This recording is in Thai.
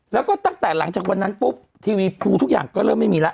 แล้วก็ตั้งแต่หลังจากวันนั้นปุ๊บทีวีภูทุกอย่างก็เริ่มไม่มีแล้ว